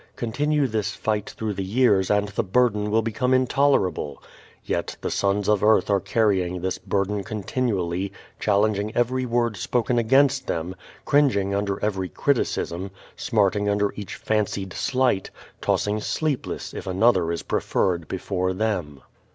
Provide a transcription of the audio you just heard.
Continue this fight through the years and the burden will become intolerable. Yet the sons of earth are carrying this burden continually, challenging every word spoken against them, cringing under every criticism, smarting under each fancied slight, tossing sleepless if another is preferred before them.